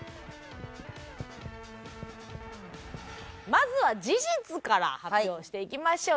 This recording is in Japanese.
まずは事実から発表していきましょう。